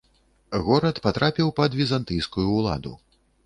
Горад патрапіў пад візантыйскую ўладу.